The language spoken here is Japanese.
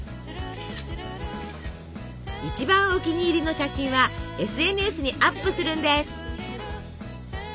一番お気に入りの写真はＳＮＳにアップするんです！